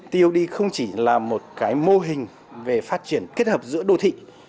tod không chỉ là một cái mô hình về phát triển kết hợp giữa đô thị